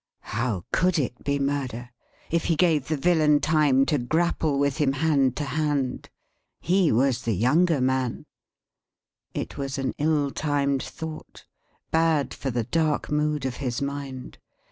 How could it be Murder, if he gave the Villain time to grapple with him hand to hand! He was the younger man. It was an ill timed thought, bad for the dark mood of his mind.